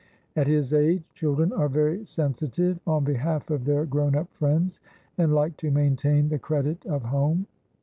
At his age, children are very sensitive on behalf of their grown up friends, and like to maintain the credit of home.